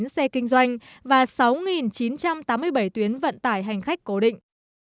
ba trăm bảy mươi sáu ba trăm linh chín xe kinh doanh và sáu chín trăm tám mươi bảy tuyến vận tải hành khách cố định